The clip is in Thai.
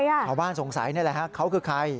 ชาวบ้านสงสัยนี่แหละฮะเขาคือใคร